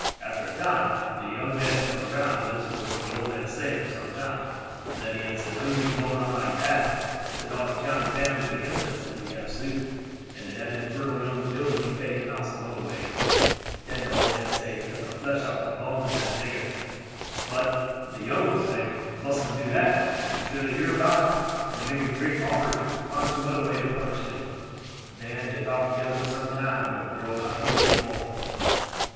After a time de young un come round, he listen to what the old man say for some time; den he answer: 'No use going on like dat. Set all de county families against us if we have suit. As to dat infernal young villain, me pay him out some other way.' Den de old man say he cut de flesh off de bones ob dat nigger; but de young one say: 'Mustn't do dat. You sure to hear about it, and make great bobbery. Find some oder way to punish him.' Den dey talk together for some time, but girl not hear any more."